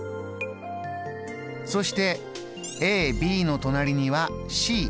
そしてＡＢの隣にはＣ。